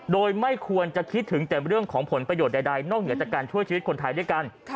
โดยไม่ควรจะคิดถึงแต่เรื่องของผลประโยชน์ใดนอกเหนือจากการช่วยชีวิตคนไทยด้วยกัน